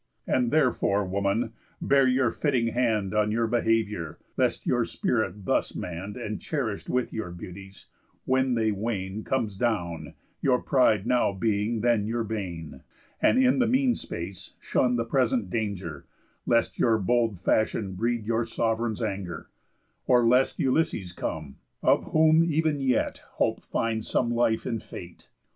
And therefore, woman, bear you fitting hand On your behaviour, lest your spirit thus mann'd, And cherish'd with your beauties, when they wane, Comes down, your pride now being then your bane; And in the mean space shun the present danger, Lest your bold fashion breed your sov'reign's anger, Or lest Ulysses come, of whom ev'n yet Hope finds some life in Fate.